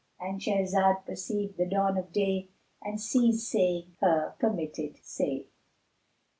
"—And Shahrazad perceived the dawn of day and ceased saying her permitted say.